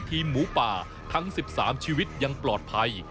หมูป่าทั้ง๑๓ชีวิตยังปลอดภัย